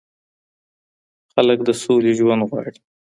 خلګ د سولې ژوند غواړي